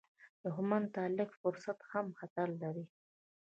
دښمن ته لږ فرصت هم خطر لري